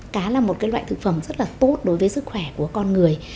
cá là một loại thực phẩm rất là tốt đối với sức khỏe của con người